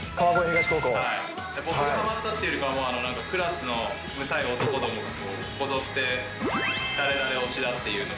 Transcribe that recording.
はい、僕がはまったっていうか、クラスのむさい男どもがこぞって誰々推しだっていうのを。